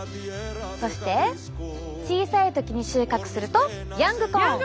そして小さい時に収穫するとヤングコーン。